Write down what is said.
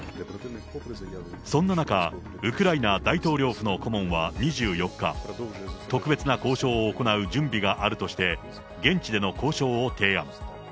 そんな中、ウクライナ大統領府の顧問は２４日、特別な交渉を行う準備があるとして、現地での交渉を提案。